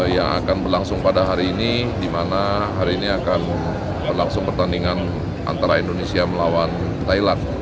yang akan berlangsung pada hari ini di mana hari ini akan berlangsung pertandingan antara indonesia melawan thailand